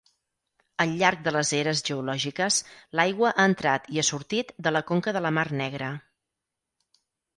Al llarg de les eres geològiques, l'aigua ha entrat i ha sortit de la conca de la mar Negra.